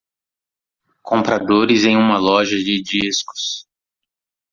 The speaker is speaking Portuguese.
Compradores em uma loja de discos.